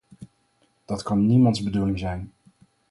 Dat kan niemands bedoeling zijn!